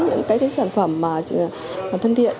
những sản phẩm thân thiện